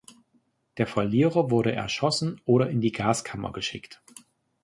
Der Verlierer wurde erschossen oder in die Gaskammer geschickt.